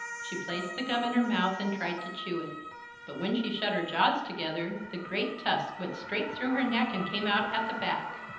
She placed the gum in her mouth and tried to chew it, but when she shut her jaws together the great tusk went straight through her neck and came out at the back.